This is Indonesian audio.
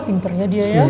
pinternya dia ya